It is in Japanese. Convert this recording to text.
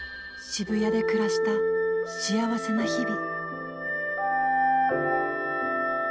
☎渋谷で暮らした幸せな日々。